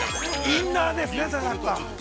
◆インナーですね。